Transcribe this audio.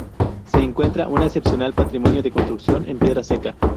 Se encuentra un excepcional patrimonio de construcción en piedra seca.